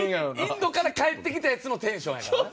インドから帰ってきたヤツのテンションやからな。